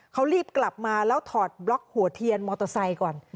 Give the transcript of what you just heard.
เขารีบกลับมาแล้วถอดบล็อกหัวเทียนมอเตอร์ไซค์ก่อน